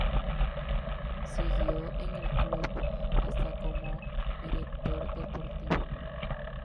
Siguió en el club hasta como director deportivo.